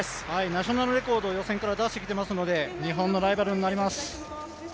ナショナルレコード予選から出してきてますので日本のライバルになります。